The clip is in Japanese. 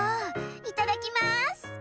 いただきます。